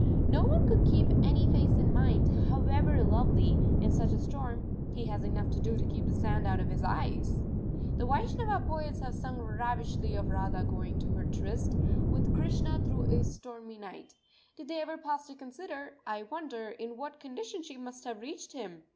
No one could keep any face in mind, however lovely, in such a storm, he has enough to do to keep the sand out of his eyes!... The Vaishnava poets have sung ravishingly of Radha going to her tryst with Krishna through a stormy night. Did they ever pause to consider, I wonder, in what condition she must have reached him?